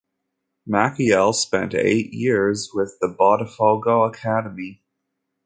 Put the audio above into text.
Maciel spent eight years with the Botafogo academy.